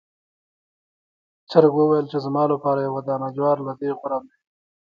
چرګ وویل چې زما لپاره یو دانې جوار له دې غوره دی.